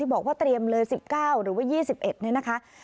ที่บอกว่าเตรียมเลย๑๙หรือ๒๑นะครับ